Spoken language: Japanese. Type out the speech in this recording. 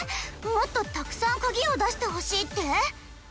もっとたくさんカギをだしてほしいって？